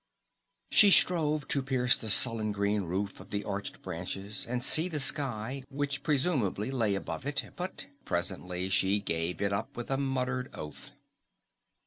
"] She strove to pierce the sullen green roof of the arched branches and see the sky which presumably lay about it, but presently gave it up with a muttered oath.